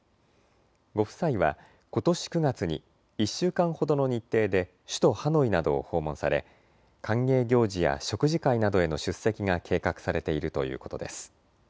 ご夫妻はことし９月に１週間ほどの日程で首都ハノイなどを訪問され歓迎行事や食事会などへの出席が計画されているということです。